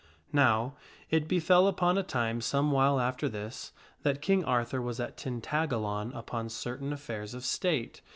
NOW, it befell upon a time some while after this, that King Arthur was at Tintagalon upon certain affairs of state.